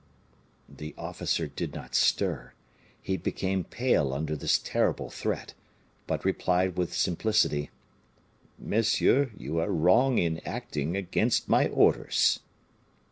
The officer did not stir; he became pale under this terrible threat, but replied with simplicity, "Monsieur, you are wrong in acting against my orders."